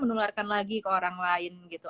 menularkan lagi ke orang lain gitu